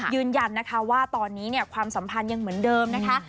ยืนยันนะคะว่าตอนนี้ความสัมพันธ์ยังเหมือนเดิมนะคะ